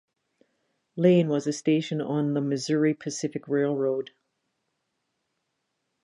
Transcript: Lane was a station on the Missouri Pacific Railroad.